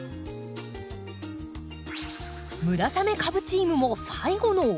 村雨・カブチームも最後の追い込み。